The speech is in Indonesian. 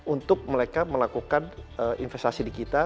untuk mereka melakukan investasi di kita